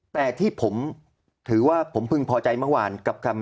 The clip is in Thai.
แต่ที่ผมถือว่าผมพึงพอใจเมื่อวานกับคำ